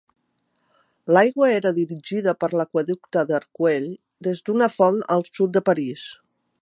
L'aigua era dirigida per l'aqüeducte d'Arcueil des d'una font al sud de París.